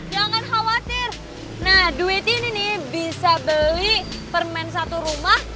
jangan khawatir duit ini bisa beli permen satu rumah